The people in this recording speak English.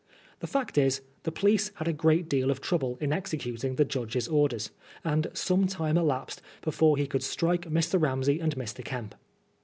The fact is, the police had a great deal of trouble in executing the judge's orders, and some time elapsed before he could strike Mr. Ramsey and Mr. Kemp.